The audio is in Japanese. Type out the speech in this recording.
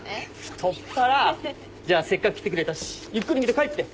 太っ腹！じゃあせっかく来てくれたしゆっくり見て帰って。